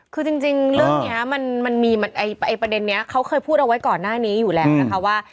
คือจริงเรื่องนี้มันมีประเด็นนี้เขาเคยพูดเอาไว้ก่อนหน้านี้อยู่แล้วนะคะว่า